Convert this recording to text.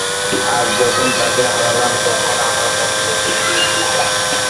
আর যখন তাকে হারালাম, তখন আমার মন ভেঙ্গে গিয়েছিল।